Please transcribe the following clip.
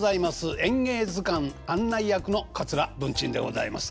「演芸図鑑」案内役の桂文珍でございます。